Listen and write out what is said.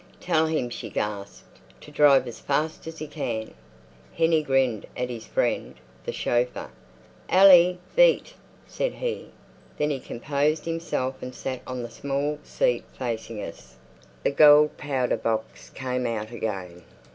"Tell him," she gasped, "to drive as fast as he can." Hennie grinned at his friend the chauffeur. "Allie veet!" said he. Then he composed himself and sat on the small seat facing us. The gold powder box came out again.